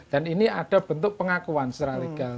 dan ini ada bentuk pengakuan secara legal